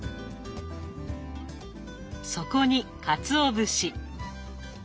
そこにかつお節。